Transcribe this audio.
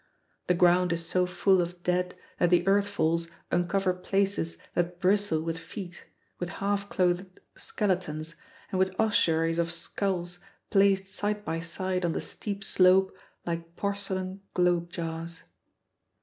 The ground is so full of dead that the earth falls uncover places that bristle with feet, with half clothed skeletons, and with ossuaries of skulls placed side by side on the steep slope like porcelain globe jars.